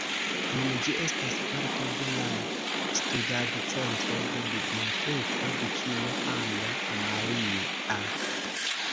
Nun ĝi estas parto de la studadcentro de Biblioteko Dukino Anna Amalia.